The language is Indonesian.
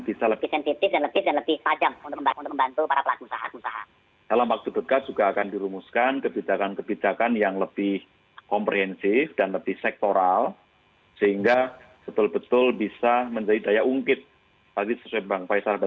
bisa lebih sensitif dan lebih pajak untuk membantu para pelaku usaha